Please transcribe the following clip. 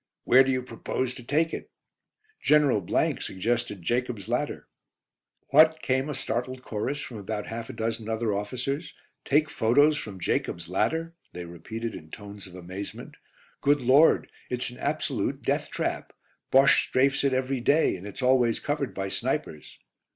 "Where do you propose to take it?" "General suggested 'Jacob's Ladder.'" "What?" came a startled chorus from about half a dozen other officers. "Take photos from 'Jacob's Ladder,'" they repeated in tones of amazement. "Good Lord! it's an absolute death trap. Bosche strafes it every day, and it's always covered by snipers."